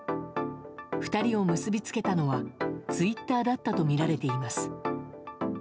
２人を結びつけたのはツイッターだったとみられています。